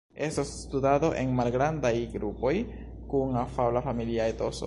Estos studado en malgrandaj grupoj kun agrabla familia etoso.